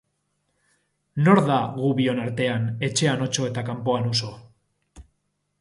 Nor da gu bion artean etxean otso eta kanpoan uso?